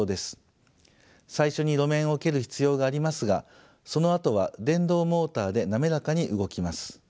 最初に路面を蹴る必要がありますがそのあとは電動モーターで滑らかに動きます。